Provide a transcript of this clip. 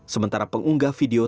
sementara pengunggah video